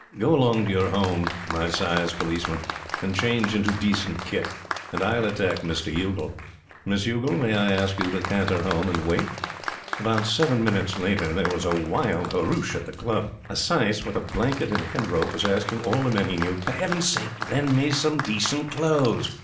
Go along to your home, my sais Policeman, and change into decent kit, and I'll attack Mr. Youghal. Miss Youghal, may I ask you to canter home and wait?" ......... About seven minutes later, there was a wild hurroosh at the Club. A sais, with a blanket and head rope, was asking all the men he knew: "For Heaven's sake lend me decent clothes!"